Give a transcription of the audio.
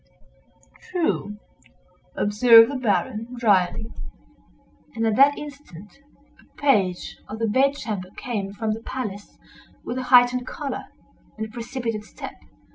"True!" observed the Baron, dryly, and at that instant a page of the bedchamber came from the palace with a heightened color, and a precipitate step.